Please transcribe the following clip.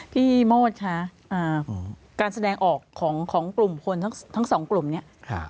พี่โมดคะการแสดงออกของกลุ่มคนทั้งสองกลุ่มเนี่ย